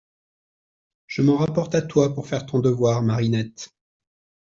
Je m’en rapporte à toi pour faire ton devoir, Marinette…